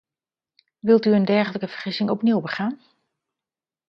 Wilt u een dergelijke vergissing opnieuw begaan?